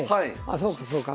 あそうかそうか。